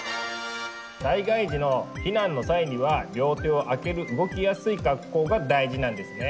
災害時の避難の際には両手を空ける動きやすい格好が大事なんですね。